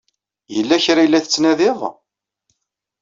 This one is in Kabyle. Yella kra ay la tettnadiḍ?